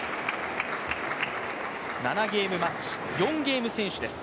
７ゲームマッチ、４ゲーム先取です。